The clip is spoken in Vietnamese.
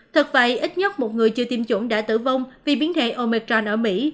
thật vậy ít nhất một người chưa tiêm chủng đã tử vong vì biến thể omecron ở mỹ